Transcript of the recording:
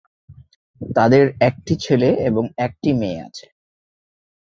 তাদের একটি ছেলে এবং একটি মেয়ে আছে।